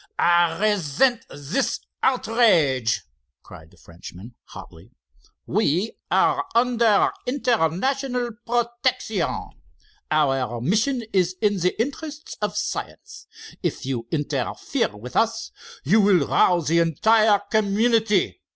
"I resent this outrage!" cried the Frenchman, hotly. "We are under international protection. Our mission is in the interests of science. If you interfere with us, you will rouse the entire community.